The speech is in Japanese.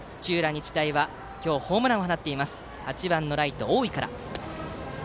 日大は、今日ホームランを放っているバッターは８番のライト、大井から。